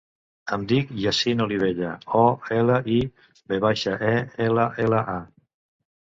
Em dic Yassine Olivella: o, ela, i, ve baixa, e, ela, ela, a.